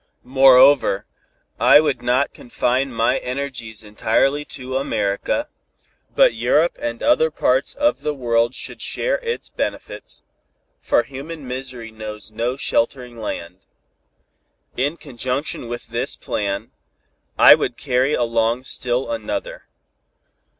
Moreover, I would not confine my energies entirely to America, but Europe and other parts of the world should share its benefits, for human misery knows no sheltering land. "In conjunction with this plan, I would carry along still another.